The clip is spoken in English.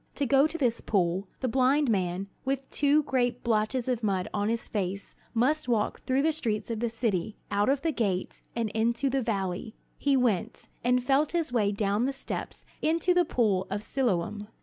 To go to this pool, the blind man, with two great blotches of mud on his face, must walk through the streets of the city, out of the gate, and into the valley. He went, and felt his way down the steps into the pool of Siloam.